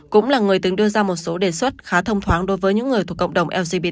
cũng là người từng đưa ra một số đề xuất khá thông thoáng đối với những người thuộc cộng đồng lgb